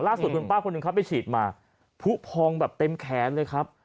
ล่าสุดคุณป้าคนหนึ่งเขาไปฉีดมาผู้พองแบบเต็มแขนเลยครับ